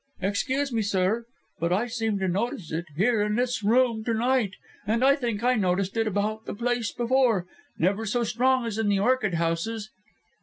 "Excuse me, sir, but I seem to notice it here in this room to night, and I think I noticed it about the place before never so strong as in the orchid houses."